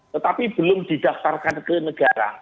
tetapi belum didaftarkan ke negara